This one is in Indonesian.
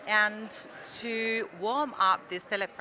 dan untuk memperbaiki perayaan ini